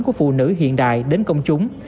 của phụ nữ hiện đại đến công chúng